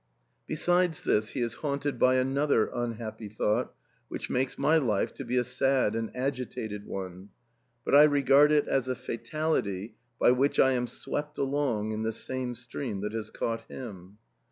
Besides this he is haunted by another unhappy thought, which makes my life to be a sad and agitated one ; but I regard it as a fatality by which I am swept along in the same stream that has caught him.